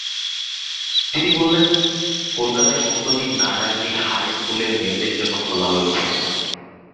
তিনি বললেন, কলকাতায় সম্প্রতি নারায়ণী হাই স্কুল মেয়েদের জন্যে খোলা হয়েছে।